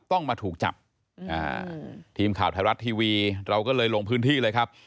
ต้องมาถูกจับทีมข่าวไทยรัฐทีวีเราก็เลยลงพื้นที่เลยครับ